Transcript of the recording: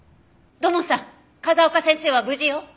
土門さん風丘先生は無事よ。